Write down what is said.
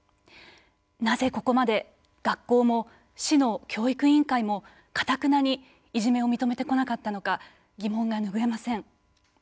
なぜ、ここまで学校も市の教育委員会もかたくなにいじめを認めてこなかったのか疑問が拭えません。